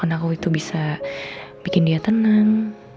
peluk anakku itu bisa bikin dia tenang